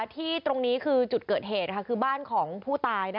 ที่ตรงนี้คือจุดเกิดเหตุคือบ้านของผู้ตาย